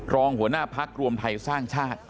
รองหัวหน้าพักรวมไทยสร้างชาติ